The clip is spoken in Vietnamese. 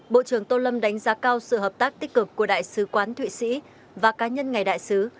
bộ trưởng tô lâm đánh giá cao sự hợp tác tích cực của đại sứ quán thụy sĩ và cá nhân ngài đại sứ